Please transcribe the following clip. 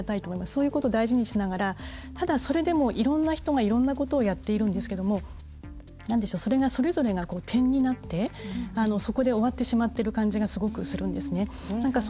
そういうことを大事にしながらただ、それでもいろんな人がいろんなことをやっているんですけどもそれぞれが点になって、そこで終わってしまっている感じがすごくするんですね。